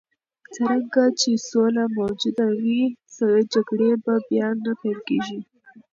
څرنګه چې سوله موجوده وي، جګړې به بیا نه پیل کېږي.